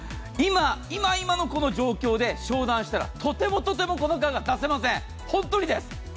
今、今のこの状況で商談したら、とてもとてもこの価格出せません、本当です。